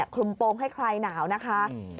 คลุมโปรงให้คลายหนาวนะคะ